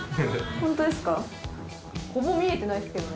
ほぼ見えてないですけどね